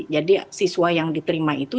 jadi siswa yang diterima itu